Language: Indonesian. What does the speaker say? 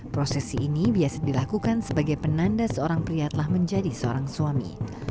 prosesi ini biasa dilakukan sebagai penanda seorang pria telah menjadi seorang suami